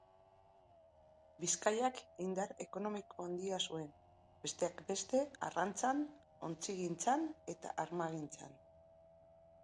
Bizkaiak indar ekonomiko handia zuen, besteak beste arrantzan, ontzigintzan eta armagintzan.